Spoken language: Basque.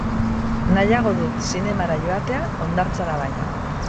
Nahiago dut zinemara joatea hondartzara baino.